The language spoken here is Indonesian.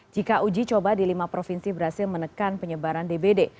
jika uji coba di lima provinsi berhasil menekan penyebaran dbd